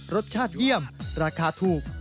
รสชาติเยี่ยมราคาถูก